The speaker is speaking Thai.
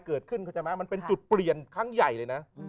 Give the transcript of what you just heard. เกิดขึ้นมันเป็นจุดเปลี่ยนขั้งใหญ่เลยนะ